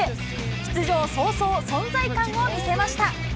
出場早々、存在感を見せました。